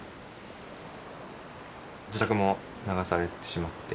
自宅も流されてしまって。